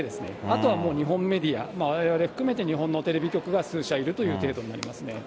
あとはもう日本メディア、われわれ含めて日本のテレビ局が数社いるという程度になりますね。